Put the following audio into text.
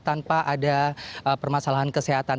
tanpa ada permasalahan kesehatan